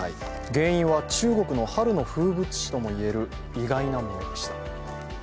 原因は中国の春の風物詩ともいえる意外なものでした。